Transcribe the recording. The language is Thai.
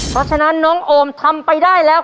เพราะฉะนั้นน้องโอมทำไปได้แล้ว